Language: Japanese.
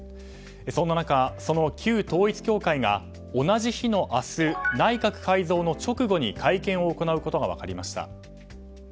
そんな中、その旧統一教会が同じ日の明日内閣改造の直後に会見を行うことが分かりました。